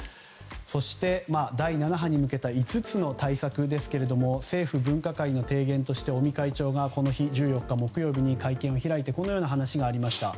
そして、第７波に向けた５つの対策ですが政府分科会の提言として尾身会長が１４日木曜日に会見を開いてこのような話がありました。